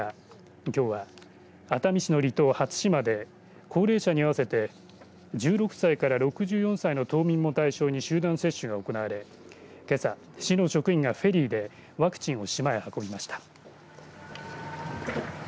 きょうは、熱海市の離島初島で、高齢者に合わせて１６歳から６４歳の島民も対象に集団接種が行われけさ、市の職員がフェリーでワクチンを島へ運びました。